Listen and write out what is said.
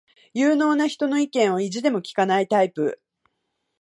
有能な人の意見を意地でも聞かないタイプ